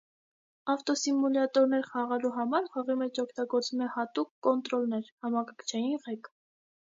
Ավտոսիմուլյատորներ խաղալու համար խաղի մեջ օգտագործվում է հատուկ կոնտրոլեր՝ համակարգչային ղեկ։